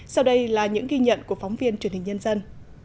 sau đây là những ghi nhận của phóng viên truyền hình nhân dân